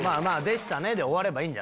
「でしたね」で終わればいい。